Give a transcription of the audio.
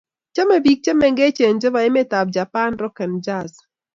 Chame biik chemengech chebo emetab Japan rock and jazz